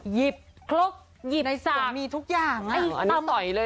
หยิบคลกหยิบสามีทุกอย่างอันนี้ต่อยเลยเหรอเนี่ย